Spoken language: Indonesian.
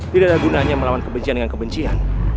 tidak ada gunanya melawan kebencian dengan kebencian